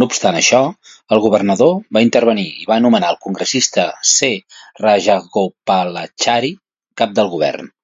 No obstant això, el governador va intervenir i va nomenar el congressista C. Rajagopalachari, cap de govern.